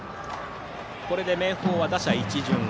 これで明豊は打者一巡。